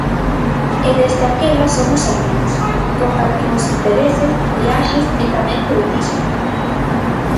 E desde aquela somos amigos, compartimos intereses, viaxes e tamén celtismo!